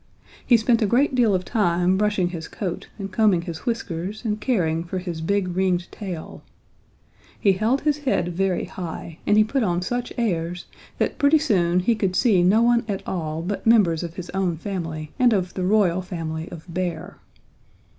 He spent a great deal of time brushing his coat and combing his whiskers and caring for his big ringed tail. He held his head very high and he put on such airs that pretty soon he could see no one at all but members of his own family and of the royal family of Bear.